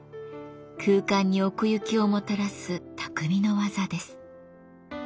空間に奥行きをもたらす匠の技です。